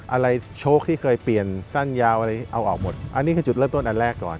อะไรโชคที่เคยเปลี่ยนสั้นยาวอะไรเอาออกหมดอันนี้คือจุดเริ่มต้นอันแรกก่อน